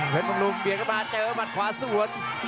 เพชรบรุงเปลี่ยนเข้ามาเจอหมัดขวาสวด